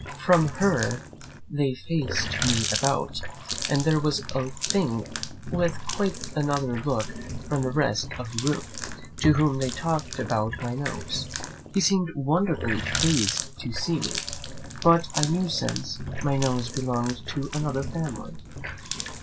From her they faced me about, and there was a thing with quite another look from the rest of the room, to whom they talked about my nose. He seemed wonderfully pleased to see me; but I knew since, my nose belonged to another family.